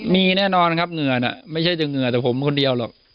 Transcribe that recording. มีแน่นอนครับเหงื่อน่ะไม่ใช่จะเหงื่อแต่ผมคนเดียวหรอก